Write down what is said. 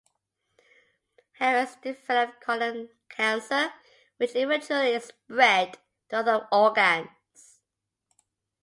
Harris developed colon cancer, which eventually spread to other organs.